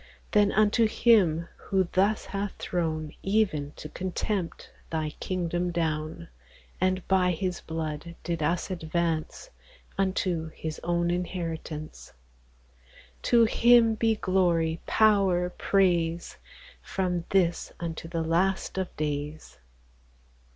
Then unto Him who thus hath thrown, Even to contempt, thy kingdome down, And by His blood did us advance Unto His own inheritance, To Him be glory, power, praise, From this unto the last of daies.